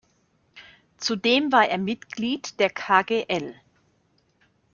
Zudem war er Mitglied der Kgl.